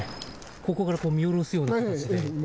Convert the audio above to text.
ここから見下ろすようにですか。